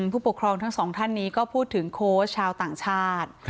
ผู้ปกครองทั้งสองท่านนี้ก็พูดถึงโค้ชชาวต่างชาติ